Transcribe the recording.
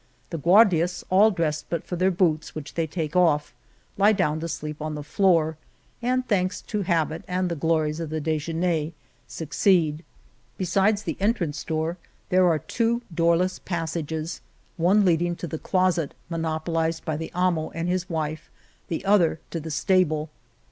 The Guardias all dressed but for their boots, which they take off, lie down to sleep on the floor, and, thanks to habit and the glories of the dijeu ner, succeed. Besides the entrance door there are two doorless passages, one lead ing to the closet monopolized by the amo and his wife, the other to the stable.